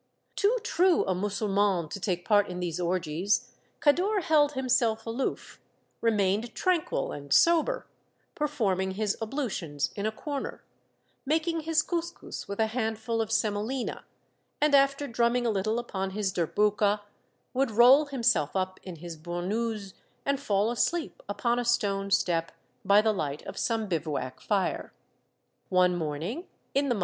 Too true a Mussulman to take part in these orgies, Kadour held himself aloof, remained tranquil and sober, performing his ablutions in a corner, making his couscous with a handful of semolina, and after drumming a little upon his derhouka, would roll himself up in his burnous, and fall asleep upon a stone step, by the light of some bivouac fire. ^ One morning in the m.